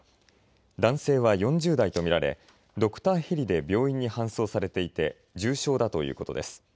男性は４０代と見られドクターヘリで病院に搬送されていて重傷だということです。